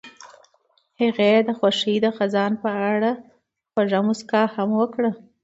هغې د خوښ خزان په اړه خوږه موسکا هم وکړه.